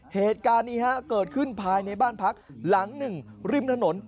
เหตุการณ์นี้เกิดขึ้นภายในบ้านพักหลังหนึ่งริมถนน